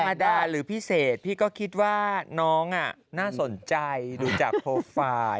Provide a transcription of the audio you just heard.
ธรรมดาหรือพิเศษพี่ก็คิดว่าน้องน่าสนใจดูจากโปรไฟล์